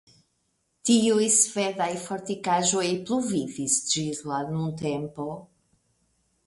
Tiuj svedaj fortikaĵoj pluvivis ĝis la nuntempo.